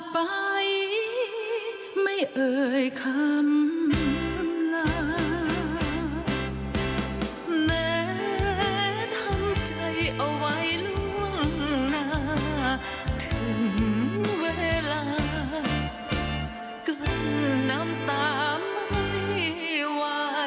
กลันน้ำตาไม่ไหว